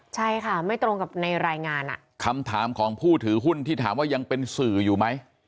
ใช่ค่ะไม่ตรงกับในรายงานอ่ะคำถามของผู้ถือหุ้นที่ถามว่ายังเป็นสื่ออยู่ไหม